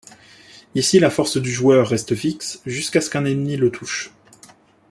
Ici la force du joueur reste fixe jusqu'à ce qu'un ennemi le touche.